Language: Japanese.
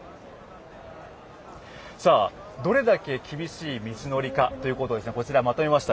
どれだけ厳しい道のりかということをまとめました。